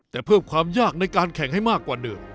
แต่เพิ่มความยากในการแข่งให้มากกว่าเดิม